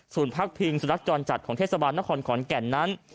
พักพิงสุนัขจรจัดของเทศบาลนครขอนแก่นนั้น